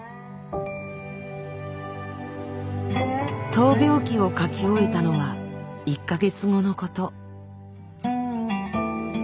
闘病記を書き終えたのは１か月後のこと。